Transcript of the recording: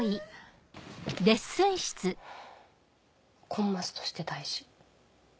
「コンマスとして大事」。